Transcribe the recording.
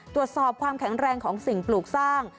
ตรวจสอบความแข็งแรงของสิ่งปลูกสร้าง